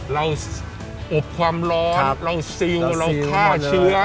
เราอบความร้อนเราซิลเราฆ่าเชื้อ